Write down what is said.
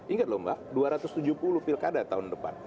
ingat lho mbak dua ratus tujuh puluh pilkada tahun depan